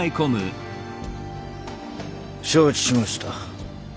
承知しました。